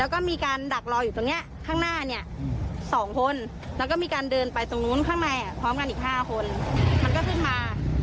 ก็มีการเดินไปตรงนู้นข้างในพร้อมกันอีก๕คนมันก็ขึ้นมา